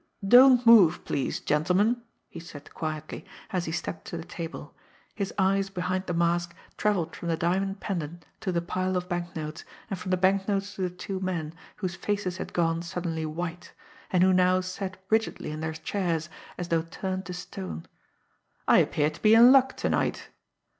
"Don't move please, gentlemen!" he said quietly, as he stepped to the table. His eyes behind the mask travelled from the diamond pendant to the pile of banknotes, and from the banknotes to the two men, whose faces had gone suddenly white, and who now sat rigidly in their chairs, as though turned to stone. "I appear to be in luck to night!"